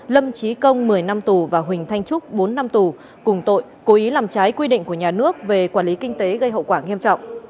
lâm trí công một mươi năm tù và huỳnh thanh trúc bốn năm tù cùng tội cố ý làm trái quy định của nhà nước về quản lý kinh tế gây hậu quả nghiêm trọng